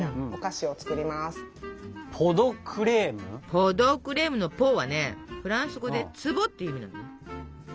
ポ・ド・クレームの「ポ」はねフランス語で「壺」っていう意味なのね。